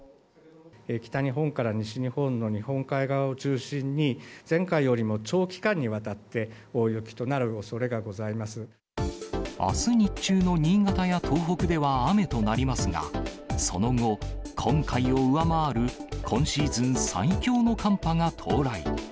北日本から西日本の日本海側を中心に、前回よりも長期間にわたって、あす日中の新潟や東北では雨となりますが、その後、今回を上回る、今シーズン最強の寒波が到来。